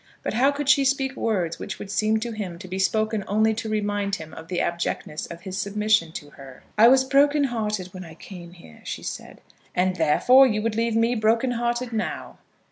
But how could she speak words which would seem to him to be spoken only to remind him of the abjectness of his submission to her? "I was broken hearted when I came here," she said. "And therefore you would leave me broken hearted now."